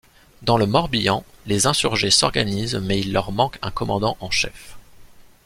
Dans le Morbihan, les insurgés s’organisent mais il leur manque un commandant en chef.